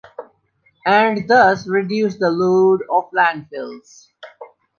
And thus reduce the load of landfills.